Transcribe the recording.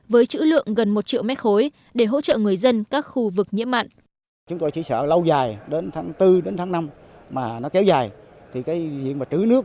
với chữ lượng gần một triệu mét khối để hỗ trợ người dân các khu vực nhiễm mặn